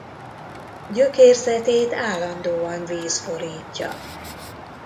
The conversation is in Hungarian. Gyökérzetét állandóan víz borítja.